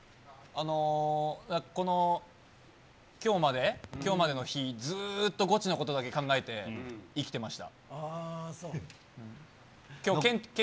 この、きょうまで、きょうまでの日、ずっとゴチのことだけ考えて生きてました。